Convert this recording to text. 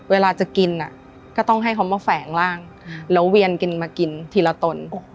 เวลาจะกินก็ต้องให้เขามาแฝงร่างแล้วเวียนกินมากินทีละตน